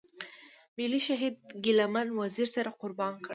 ملي شهيد ګيله من وزير سر قربان کړ.